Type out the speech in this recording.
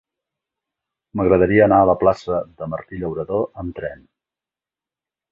M'agradaria anar a la plaça de Martí Llauradó amb tren.